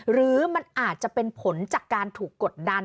หรือมันอาจจะเป็นผลจากการถูกกดดัน